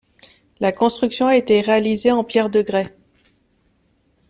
La construction a été réalisée en pierres de grès.